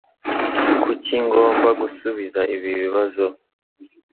Kuki ngomba gusubiza ibi bibazo?